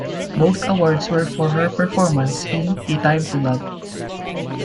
Both awards were for her performance in "A Time to Love".